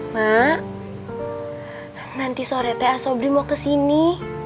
mak nanti sore ta sobri mau kesini